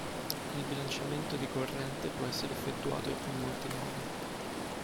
Il bilanciamento di corrente può essere effettuato in molti modi.